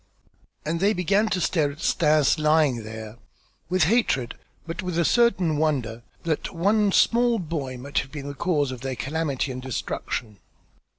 And they began to stare at Stas lying there, with hatred but with a certain wonder that one small boy might have been the cause of their calamity and destruction.